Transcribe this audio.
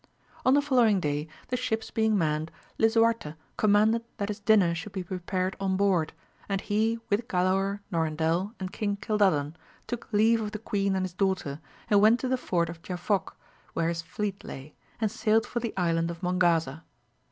On the following day, the ships being manned, lisuarte commanded that his dinner should be pre pared on board, and he, with Galaor, Norandel, and Kong Cildadan, took leave of the queen and his daughter, and went to the fort of Jafoque, where his fleet lay, and sailed for the Island of Mongaza.